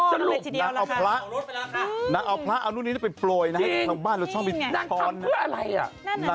สรุปส่องรถไปแล้วนะคะ